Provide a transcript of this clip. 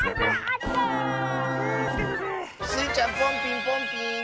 スイちゃんポンピンポンピーン！